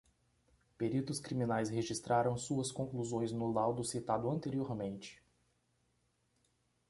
Peritos criminais registraram suas conclusões no laudo citado anteriormente